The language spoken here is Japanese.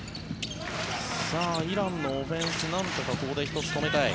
イランのオフェンスなんとかここで１つ止めたい。